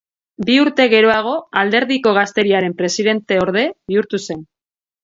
Bi urte geroago, alderdiko gazteriaren presidenteorde bihurtu zen.